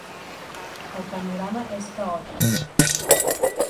El panorama és caòtic.